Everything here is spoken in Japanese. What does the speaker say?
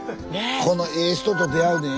このええ人と出会うねん。